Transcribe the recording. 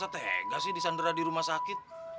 tega sih disandera di rumah sakit